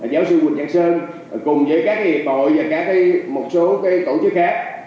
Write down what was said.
giáo sư quỳnh trạng sơn cùng với các y tế và một số tổ chức khác